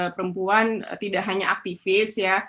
perempuan tidak hanya aktivis ya